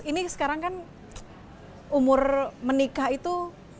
ini sekarang kan umur menikah itu